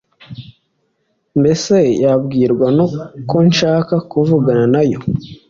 Mbese yabwirwa ko nshaka kuvugana na yo